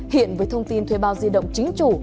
hiện với thông tin thuê bao di động chính chủ